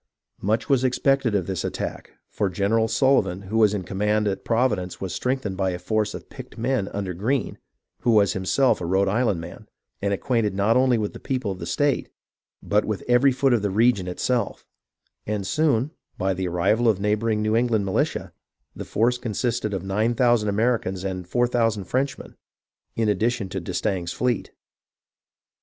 Much was expected of this attack, for General Sullivan who was in command at Providence was strengthened by a force of picked men under Greene, who was himself a Rhode Island man and acquainted not only with the people of the state but with every foot of the region it self ; and soon, by the arrival of the neighbouring New England militia, the force consisted of nine thousand Americans and four thousand Frenchmen, in addition to d'Estaing's fleet.